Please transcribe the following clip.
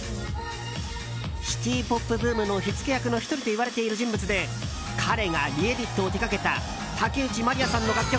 シティーポップブームの火付け役の１人といわれている人物で彼がリエディットを手掛けた竹内まりやさんの楽曲